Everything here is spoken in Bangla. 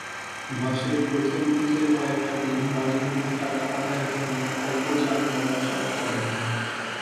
মাসের প্রথম দিকের কয়েকটা দিন বাড়িভাড়ার টাকা আদায়ের জন্যে অল্প যা নড়াচড় করেন।